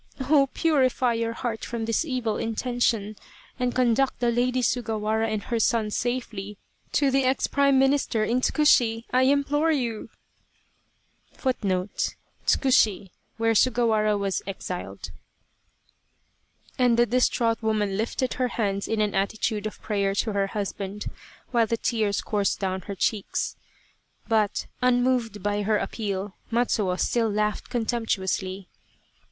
Oh ! purify your heart from this evil intention, and conduct the Lady Sugawara and her son safely to the ex Prime Minister in Tsukushi,* I implore you !" and the distraught woman lifted her hands in an attitude of prayer to her husband, while the tears coursed down her cheeks. But, unmoved by her appeal, Matsuo still laughed contemptuously.